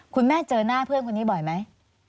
คุณแม่เจอหน้าเพื่อนคนนี้บ่อยไหม